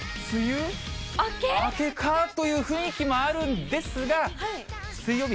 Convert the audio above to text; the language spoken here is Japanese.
明けかという雰囲気もあるんですが、水曜日